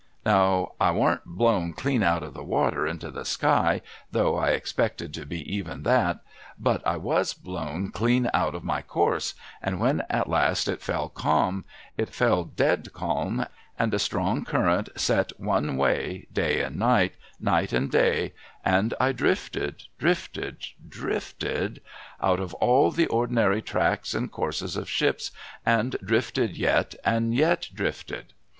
Now I warn't blown clean out of the water into the sky, — though I expected to b<} even that,— but I was blown clean out of my course ; and when at last it fell calm, it fell dead calm, and a strong current set one THE STORY OF A BOTTLE 233 way, day and night, night and day, and I drifted — drifted— drifted •— out of all the ordinary tracks and courses of ships, and drifted yet, and yet drifted.